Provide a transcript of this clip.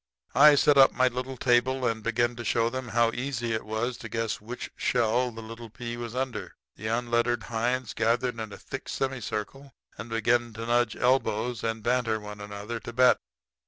"I set up my little table and began to show them how easy it was to guess which shell the little pea was under. The unlettered hinds gathered in a thick semicircle and began to nudge elbows and banter one another to bet.